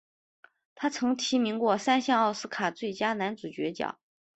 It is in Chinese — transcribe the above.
他曾提名过三项奥斯卡最佳男主角奖。